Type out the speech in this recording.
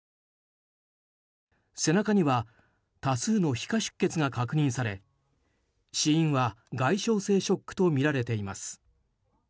背中には多数の皮下出血が確認され死因は外傷性ショックとみられています。